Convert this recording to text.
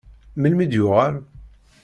Melmi d-yuɣal?